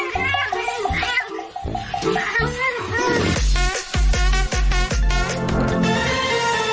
สวัสดีครับ